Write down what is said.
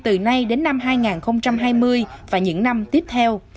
từ nay đến năm hai nghìn hai mươi và những năm tiếp theo